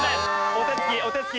お手つきお手つき